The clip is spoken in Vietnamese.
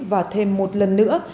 và thêm một lần nữa